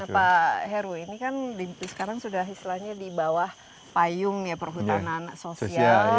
pak heru ini kan sekarang sudah istilahnya di bawah payung ya perhutanan sosial